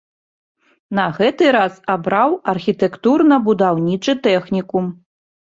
На гэты раз абраў архітэктурна-будаўнічы тэхнікум.